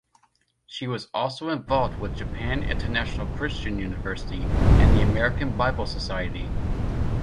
She was also involved with Japan International Christian University and the American Bible Society.